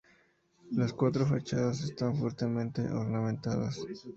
Las cuatro fachadas están fuertemente ornamentadas.